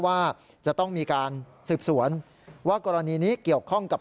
ว่าจะต้องมีการสืบสวนว่ากรณีนี้เกี่ยวข้องกับ